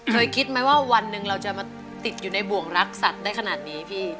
เคยคิดไหมว่าวันหนึ่งเราจะมาติดอยู่ในบ่วงรักสัตว์ได้ขนาดนี้พี่